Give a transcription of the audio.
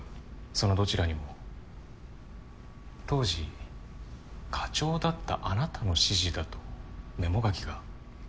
そのどちらにも当時課長だったあなたの指示だとメモ書きが。